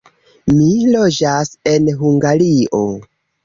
Mi loĝas en Hungario.